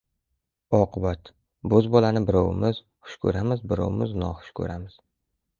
Oqibat, bo‘zbolani birovimiz xush ko‘ramiz, birovimiz noxush ko‘ramiz.